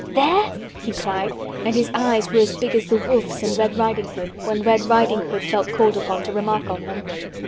There?" he cried, and his eyes were as big as the wolf's in Red Riding Hood, when Red Riding Hood felt called upon to remark on them.